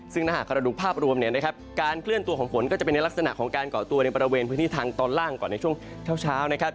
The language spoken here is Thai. ซึ่งถ้าหากเราดูภาพรวมเนี่ยนะครับการเคลื่อนตัวของฝนก็จะเป็นในลักษณะของการเกาะตัวในบริเวณพื้นที่ทางตอนล่างก่อนในช่วงเช้านะครับ